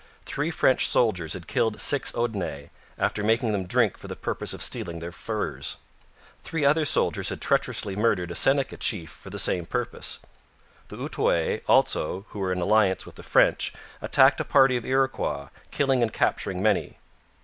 Three French soldiers had killed six Oneidas, after making them drunk for the purpose of stealing their furs; three other soldiers had treacherously murdered a Seneca chief for the same purpose. The Outaouais also, who were in alliance with the French, attacked a party of Iroquois, killing and capturing many.